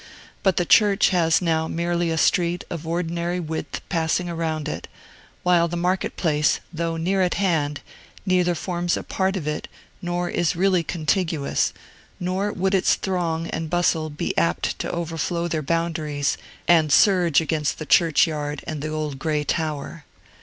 But the church has now merely a street of ordinary width passing around it, while the market place, though near at hand, neither forms a part of it nor is really contiguous, nor would its throng and bustle be apt to overflow their boundaries and surge against the churchyard and the old gray tower.